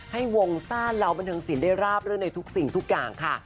ให้วงซ่านเราบันเทิงศิลปได้ราบรื่นในทุกสิ่งทุกอย่างค่ะ